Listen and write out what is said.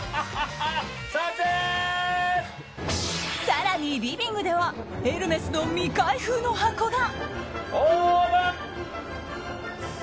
更に、リビングではエルメスの未開封の箱が。